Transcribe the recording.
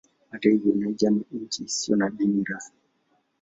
Hata hivyo Niger ni nchi isiyo na dini rasmi.